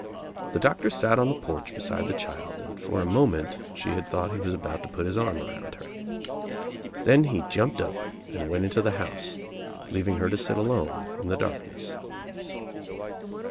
The doctor sat on the porch beside the child and for a moment she had thought he was about to put his arm around her. Then he jumped up and went Into the bouse leaving her to sit alone in the darkness.